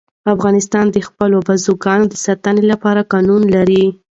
افغانستان د خپلو بزګانو د ساتنې لپاره قوانین لري.